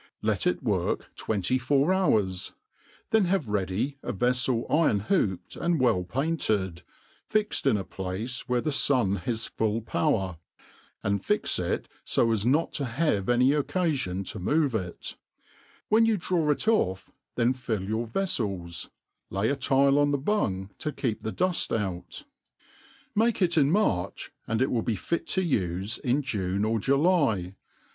Let y ''' Y 1 it •k 324 THE ART OF COOKERY It work twenty four hours ; jhcn have ready a veflel iron* hooped, and well painted, fixed in a place where the fun ha^ full power, and fix it fo as not to have any occafion to move it. When you draw it off", then fill your veflels, lay a tile on the bung to keep the duft out. Make it in March, and it will be fit to ufe ;n June or July.